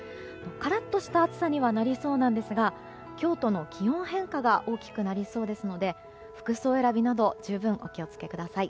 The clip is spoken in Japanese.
カラッとした暑さにはなりそうですが今日との気温変化が大きくなりそうですので服装選びなど十分、お気を付けください。